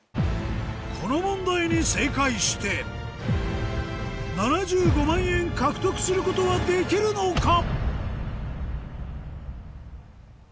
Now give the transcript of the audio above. この問題に正解して７５万円獲得することはできるのか？